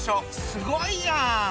すごいやん！